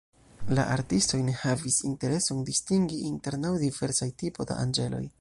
La artistoj ne havis intereson distingi inter naŭ diversaj tipoj da anĝeloj.